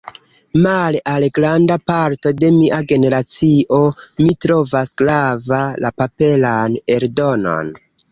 Male al granda parto de mia generacio, mi trovas grava la paperan eldonon.